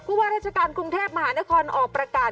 ว่าราชการกรุงเทพมหานครออกประกาศ